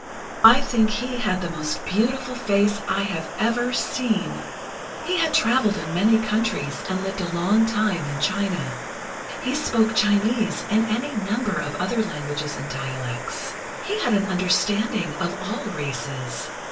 "I think he had the most beautiful face I have ever seen. He had traveled in many countries, and lived a long time in China. He spoke Chinese and any number of other languages and dialects. He had an understanding of all races.